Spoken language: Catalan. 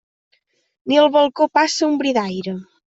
Ni al balcó passa un bri d'aire.